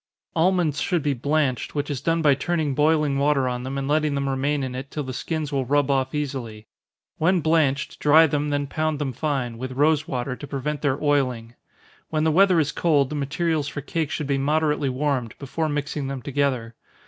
Almonds should be blanched, which is done by turning boiling water on them, and letting them remain in it till the skins will rub off easily. When blanched, dry them, then pound them fine, with rosewater, to prevent their oiling. When the weather is cold, the materials for cake should be moderately warmed, before mixing them together.